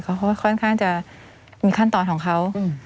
ค่อนข้างจะมีขั้นตอนของเขา